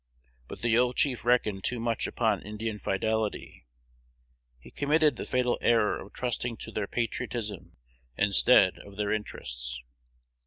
But the old chief reckoned too much upon Indian fidelity: he committed the fatal error of trusting to their patriotism instead of their interests.